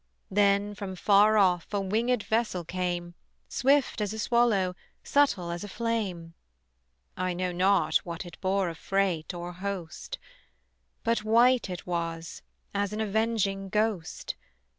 Then from far off a wingèd vessel came, Swift as a swallow, subtle as a flame: I know not what it bore of freight or host, But white it was as an avenging ghost.